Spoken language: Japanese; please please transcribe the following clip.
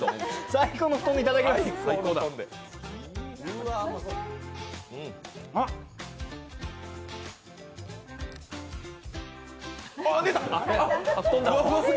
最高の布団で頂きます。